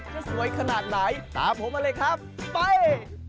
จะสวยขนาดไหนตามผมมาเลยครับไป